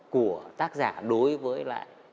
của tác giả đối với lại